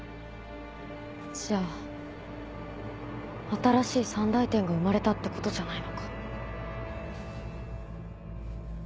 じゃあ新しい三大天が生まれたってことじゃないのか？